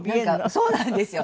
そうなんですよ。